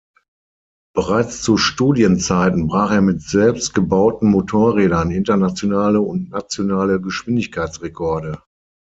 Bereits zu Studienzeiten brach er mit selbst gebauten Motorrädern internationale und nationale Geschwindigkeitsrekorde.